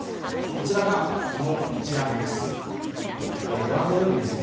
こちらがその一覧です。